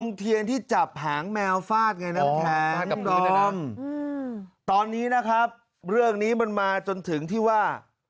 เทียนที่จับหางแมวฟาดไงนะตอนนี้นะครับเรื่องนี้มันมาจนถึงที่ว่า